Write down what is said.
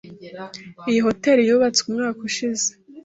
Iyi hoteri yubatswe umwaka ushize.